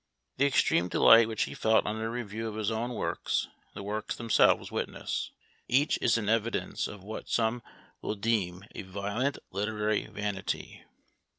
The extreme delight which he felt on a review of his own works the works themselves witness. Each is an evidence of what some will deem a violent literary vanity.